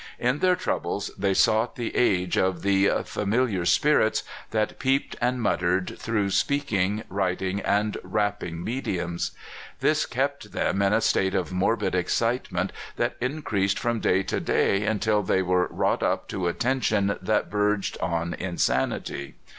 In their troubles they sought the aid of the " familiar spirits" that peeped and muttered through speak ing, writing, and rapping mediums. This kept SUICIDE IN CALIFORNIA. 237 them in a state of morbid excitement that increased from day to day until they were wrought up to a tension that verged on insanity.